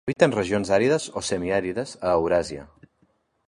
Habiten regions àrides o semiàrides a Euràsia.